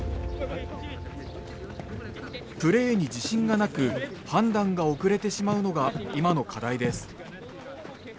プレーに自信がなく判断が遅れてしまうのが今の課題です。